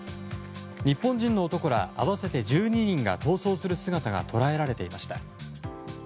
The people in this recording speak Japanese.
日本人の男ら合わせて１２人が逃走する姿が捉えられていました。